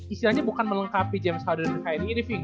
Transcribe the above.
istilahnya bukan melengkapi james harden dan kyrie irving